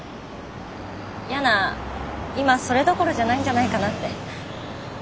ヤナ今それどころじゃないんじゃないかなって。